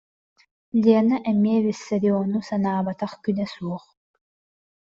Лена эмиэ Виссариону санаабатах күнэ суох